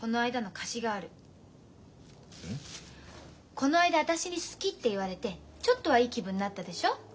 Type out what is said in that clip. この間私に「好き」って言われてちょっとはいい気分になったでしょ？